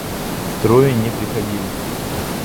Трое не приходили.